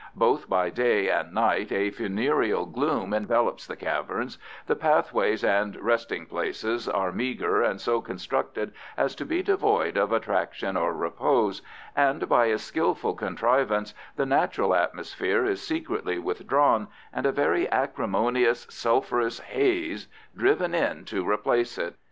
Both by day and night a funereal gloom envelops the caverns, the pathways and resting places are meagre and so constructed as to be devoid of attraction or repose, and by a skilful contrivance the natural atmosphere is secretly withdrawn and a very acrimonious sulphurous haze driven in to replace it.